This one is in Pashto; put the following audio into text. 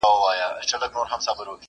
د احمد ظاهر٬ احمد ولي٬ او سلما ږغونه.